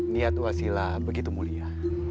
niat wasila begitu mulia